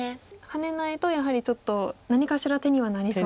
ハネないとやはりちょっと何かしら手にはなりそう。